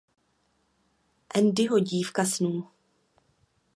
Andyho dívka snů.